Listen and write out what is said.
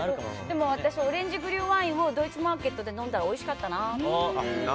私、オレンジグリュワインをドイツマーケットで飲んだら、おいしかったなって。